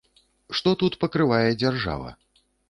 Што тут пакрывае дзяржава?